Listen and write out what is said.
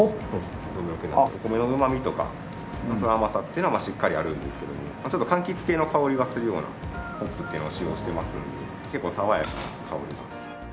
お米のうまみとか甘さっていうのはしっかりあるんですけどもちょっと柑橘系の香りがするようなホップっていうのを使用してますので結構爽やかな香りが。